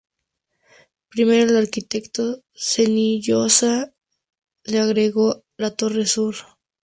Primero, el arquitecto Senillosa le agregó la torre sur.